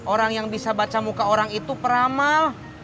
orang yang bisa baca muka orang itu peramal